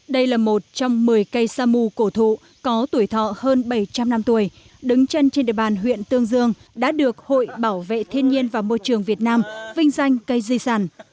đây là một trong một mươi cây sa mù cổ thụ có tuổi thọ hơn bảy trăm linh năm tuổi đứng chân trên địa bàn huyện tương dương đã được hội bảo vệ thiên nhiên và môi trường việt nam vinh danh cây di sản